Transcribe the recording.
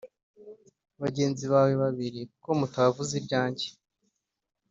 bagenzi bawe babiri kuko mutavuze ibyanjye